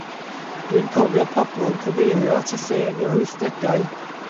Dwi'n cofio pobl yn cyfeirio at y lle yn yr wythdegau.